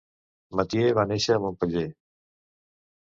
Mathieu va néixer a Montpellier.